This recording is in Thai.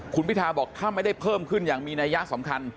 คุณพิทาบอกถ้าไม่ได้เพิ่มขึ้นอย่างมีนัยยะสำคัญ